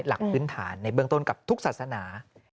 หลักพื้นฐานในเบื้องต้นกับทุกศาสนา